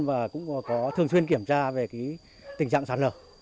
và cũng có thường xuyên kiểm tra về tình trạng sạt lở